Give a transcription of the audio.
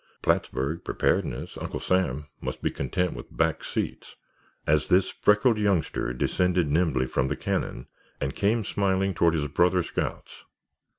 Plattsburg, preparedness, Uncle Sam, must be content with back seats, as this freckled youngster descended nimbly from the cannon and came smiling toward his brother scouts.